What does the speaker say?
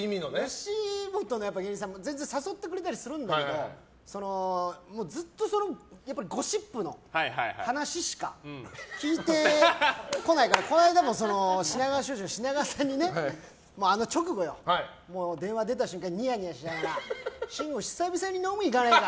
吉本の芸人さんも全然誘ってくれたりするんだけどずっとゴシップの話しか聞いてこないからこの間も品川庄司の品川さんにねあの直後よ、電話に出た瞬間ニヤニヤしながら慎吾、久々に飲み行かないか？